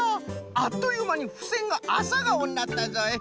あっというまにふせんがアサガオになったぞい。